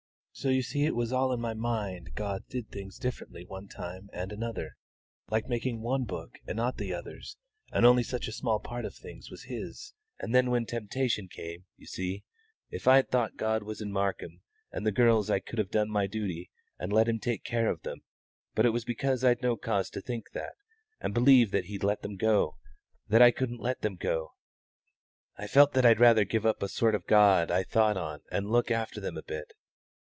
So you see it was all in my mind God did things differently one time and another, like making one book and not the others, and only such a small part of things was His; and then when the temptation came, you see, if I'd thought God was in Markham and the girls I could have done my duty and let Him take care of them; but it was because I'd no cause to think that, and believed that He'd let them go, that I couldn't let them go. I felt that I'd rather give up the sort of a God I thought on and look after them a bit.